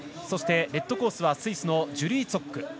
そしてレッドコースはスイスのジュリー・ツォック。